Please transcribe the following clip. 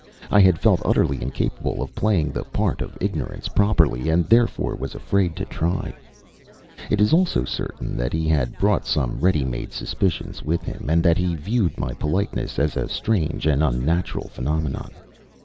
I had felt utterly incapable of playing the part of ignorance properly, and therefore was afraid to try. It is also certain that he had brought some ready made suspicions with him, and that he viewed my politeness as a strange and unnatural phenomenon.